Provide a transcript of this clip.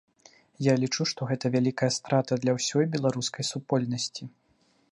Я лічу, што гэта вялікая страта для ўсёй беларускай супольнасці.